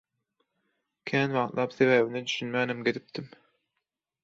Kän wagtlap sebäbine düşünmänem gezipdim.